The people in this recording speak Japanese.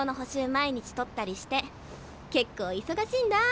毎日取ったりして結構忙しいんだ。